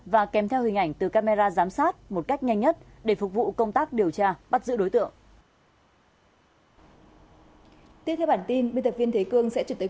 và kèm theo hình ảnh từ camera giám sát một cách nhanh nhất để phục vụ công tác điều tra bắt giữ đối tượng